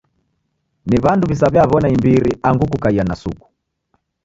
Ni w'andu w'isaw'iaw'ona imbiri angu kukaia na suku.